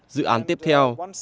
dự án tiếp theo